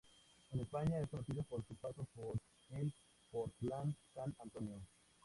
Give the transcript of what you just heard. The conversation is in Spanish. En España, es conocido por su paso por el Portland San Antonio.